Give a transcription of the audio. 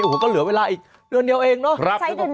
โอ้โหก็เหลือเวลาอีกเดือนเดียวเองเนอะใช้เดือนเดียว